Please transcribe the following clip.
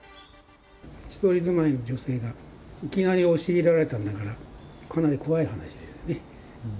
一人住まいの女性が、いきなり押し入れられたんだから、かなり怖い話ですよね。